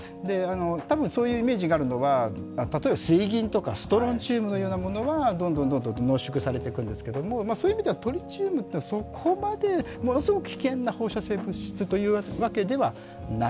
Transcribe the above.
多分そういうイメージがあるのは例えば水銀とか、ストロンチウムのようなものはどんどんどんどん濃縮されていくんですけど、そういう意味ではトリチウムというのはそこまでものすごく危険な放射性物質というわけではない。